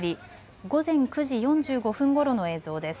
午前９時４５分ごろの映像です。